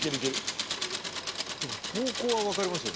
方向はわかりますよね。